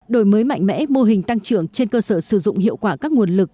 đổi mới mạnh mẽ mô hình tăng trưởng trên cơ sở sử dụng hiệu quả các nguồn lực